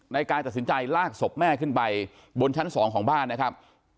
นายกายตัดสินใจลากศพแม่ขึ้นไปบนชั้น๒ของบ้านนะครับ